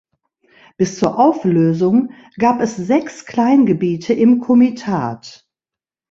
Bis zur Auflösung gab es sechs Kleingebiete im Komitat.